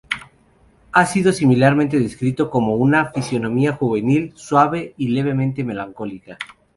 Ha sido similarmente descrito como ""una fisionomía juvenil, suave y levemente melancólica"".